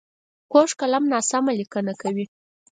کوږ قلم ناسمه لیکنه کوي